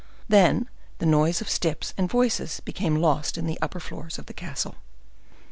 Then the noise of steps and voices became lost in the upper floors of the castle.